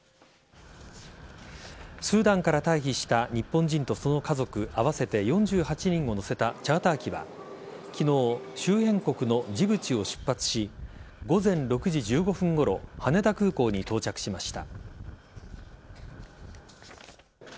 スーダンから退避した日本人とその家族合わせて４８人を乗せたチャーター機は昨日、周辺国のジブチを出発し午前６時１５分ごろ羽田空港に到着しました。